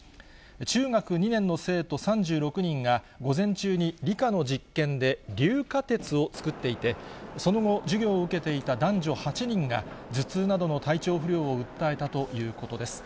中学２年の生徒３６人が、午前中に理科の実験で硫化鉄を作っていて、その後、授業を受けていた男女８人が、頭痛などの体調不良を訴えたということです。